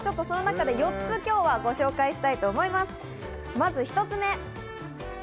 その中で４つ、今日はご紹介したいと思います。